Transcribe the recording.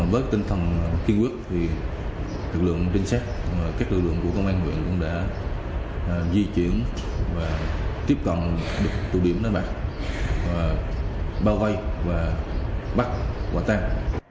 với tinh thần kiên quyết thì lực lượng trinh sát các lực lượng của công an huyện cũng đã di chuyển và tiếp cận được tụ điểm đánh bạc bao vây và bắt quả tang